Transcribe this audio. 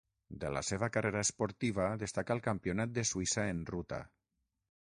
De la seva carrera esportiva destaca el Campionat de Suïssa en ruta.